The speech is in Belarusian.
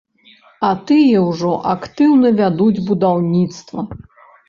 А тыя ўжо актыўна вядуць будаўніцтва.